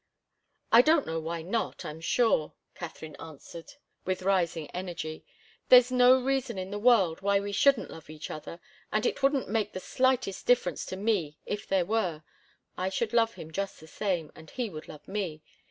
"I don't know why not, I'm sure," Katharine answered, with rising energy. "There's no reason in the world why we shouldn't love each other, and it wouldn't make the slightest difference to me if there were. I should love him just the same, and he would love me.